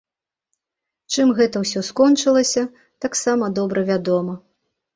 Чым гэта ўсё скончылася, таксама добра вядома.